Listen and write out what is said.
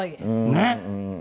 ねっ！